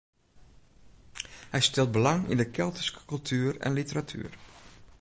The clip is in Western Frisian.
Hy stelt belang yn de Keltyske kultuer en literatuer.